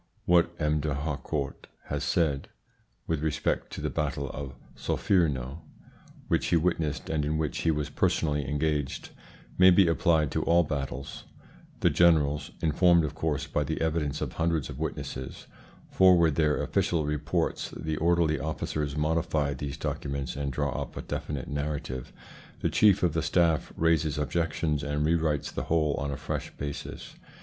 What M. D'Harcourt has said with respect to the battle of Solferino, which he witnessed and in which he was personally engaged, may be applied to all battles "The generals (informed, of course, by the evidence of hundreds of witnesses) forward their official reports; the orderly officers modify these documents and draw up a definite narrative; the chief of the staff raises objections and re writes the whole on a fresh basis.